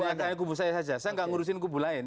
tidak hanya kubu saya saja saya tidak mengurusin kubu lain